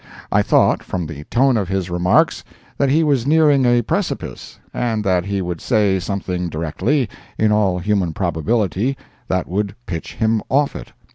I thought, from the tone of his remarks, that he was nearing a precipice, and that he would say something directly, in all human probability, that would pitch him off it.